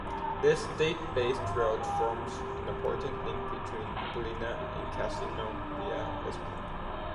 This state based road forms an important link between Ballina and Casino via Lismore.